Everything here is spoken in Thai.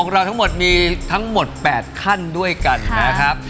เราทั้งหมดมีทั้งหมด๘ขั้นด้วยกันนะครับ